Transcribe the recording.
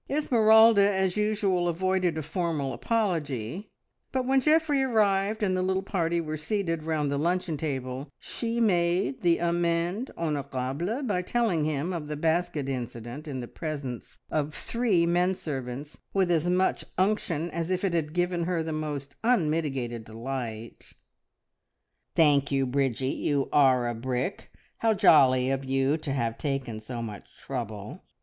Esmeralda as usual avoided a formal apology, but when Geoffrey arrived and the little party were seated round the luncheon table, she made the amende honorable by telling him of the basket incident in the presence of three men servants with as much unction as if it had given her the most unmitigated delight. "Thank you, Bridgie, you are a brick! How jolly of you to have taken so much trouble!